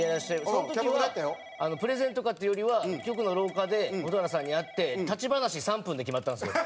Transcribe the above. その時はプレゼンとかっていうよりは局の廊下で蛍原さんに会って立ち話３分で決まったんですよ。